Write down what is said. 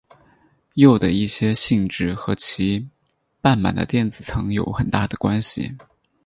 铕的一些性质和其半满的电子层有很大的关系。